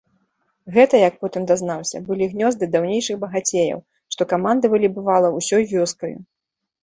Гэта, як я потым дазнаўся, былі гнёзды даўнейшых багацеяў, што камандавалі, бывала, усёй вёскаю.